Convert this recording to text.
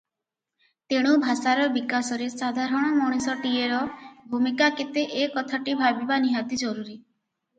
ତେଣୁ ଭାଷାର ବିକାଶରେ ସାଧାରଣ ମଣିଷଟିଏର ଭୂମିକା କେତେ ଏକଥାଟି ଭାବିବା ନିହାତି ଜରୁରୀ ।